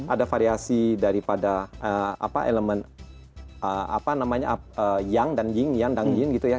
ada variasi dari pada elemen yang dan yin yang dan yang